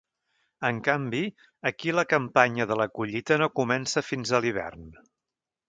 En canvi, aquí la campanya de la collita no comença fins a l’hivern.